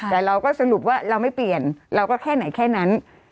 แต่เราก็สรุปว่าเราไม่เปลี่ยนเราก็แค่ไหนแค่นั้น